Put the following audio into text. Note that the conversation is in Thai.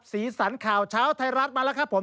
สีสันข่าวเช้าไทยรัฐมาแล้วครับผม